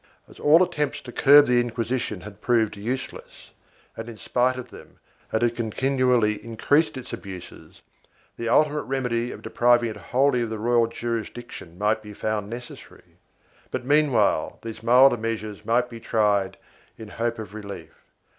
As all attempts to curb the Inquisi tion had proved useless, and in spite of them it had continually increased its abuses, the ultimate remedy of depriving it wholly of the royal jurisdiction might be found necessary, but mean while these milder measures might be tried in hope of relief.